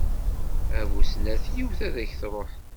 A bu snat, yiwet ad ak-tṛuḥ!